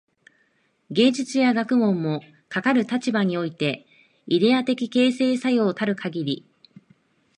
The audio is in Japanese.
芸術や学問も、かかる立場においてイデヤ的形成作用たるかぎり、